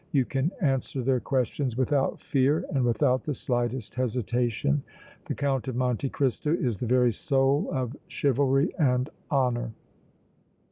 You can answer their questions without fear and without the slightest hesitation. The Count of Monte Cristo is the very soul of chivalry and honor!"